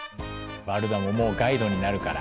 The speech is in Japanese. ワルダももうガイドになるから。